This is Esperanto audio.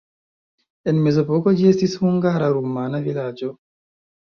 En mezepoko ĝi estis hungara-rumana vilaĝo.